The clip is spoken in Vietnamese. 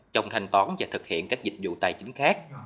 trông thanh tón và thực hiện các dịch vụ tài chính khác